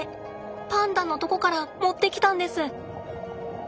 パンダのとこから持ってきたんです。